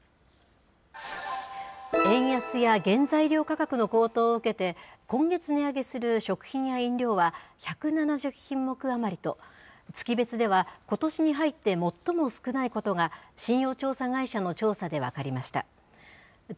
円安や原材料価格の高騰を受けて、今月値上げする食品や飲料は１７０品目余りと、月別ではことしに入って最も少ないことが、信用調査会社の調査で分かりました。